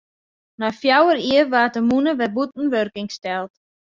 Nei fjouwer jier waard de mûne wer bûten wurking steld.